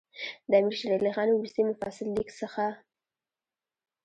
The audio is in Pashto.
د امیر شېر علي خان وروستي مفصل لیک څخه.